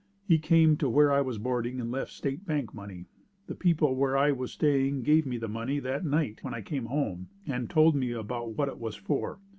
He came to where I was boarding and left State Bank money. The people where I was staying gave me the money that night when I came home and told me about what it was for.